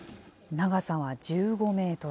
長さは１５メートル。